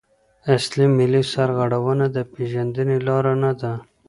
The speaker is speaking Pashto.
اصل ملي سرغړونه د پیژندني لاره نده.